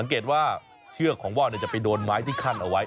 เกรดว่าเชือกของว่าวจะไปโดนไม้ที่ขั้นเอาไว้